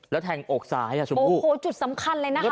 แล้วแทงอกซ้ายโอ้โหจุดสำคัญเลยนะคะ